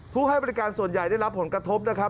ให้บริการส่วนใหญ่ได้รับผลกระทบนะครับ